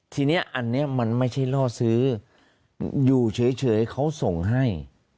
ทีนี้อันนี้มันไม่ใช่ล่อซื้ออยู่เฉยเขาส่งให้